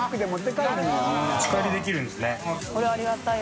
あんり）これありがたい。